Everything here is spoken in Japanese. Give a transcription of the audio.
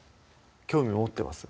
興味持ってます？